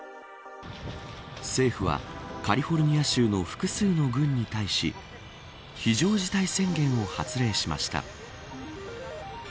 政府は、カリフォルニア州の複数の郡に対し非常事態宣言を発令しました。